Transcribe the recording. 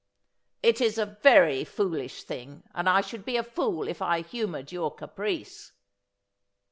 ' It is a very foolish thing, and I should be a fool if 1 humoured your caprice.'